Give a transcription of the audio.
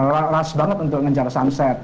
last banget untuk ngejar sunset